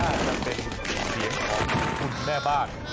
อาจจะเป็นเสียงของคุณแม่บ้าน